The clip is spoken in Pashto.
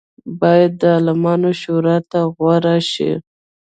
باید د عالمانو شورا ته غوره شي.